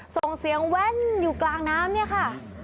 ส่งเสียงแว่นอยู่กลางน้ำเนี่ยค่ะ